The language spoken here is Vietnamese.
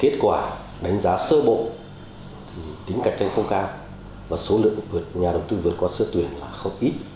kết quả đánh giá sơ bộ thì tính cạnh tranh không cao và số lượng nhà đầu tư vượt qua sơ tuyển là không ít